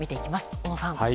小野さん。